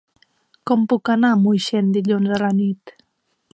Com puc anar a Moixent dilluns a la nit?